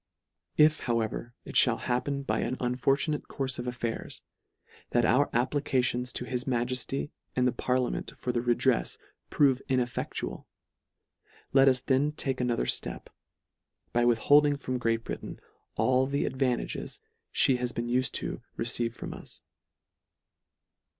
If, however, it (hall happen by an unfortu nate courfe of affairs, that our applications to his Majefty and the parliament for the redrefs, prove ineffectual, let us then take another flep, by withholding from Great Britain, all the advantages fhe has been ufed to receive from us.